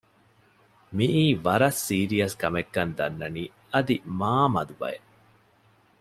މިއީ ވަރަށް ސީރިއަސް ކަމެއް ކަން ދަންނަނީ އަދި މާ މަދު ބަޔެއް